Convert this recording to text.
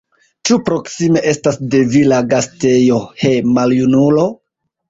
Ĉu proksime estas de vi la gastejo, he, maljunulo?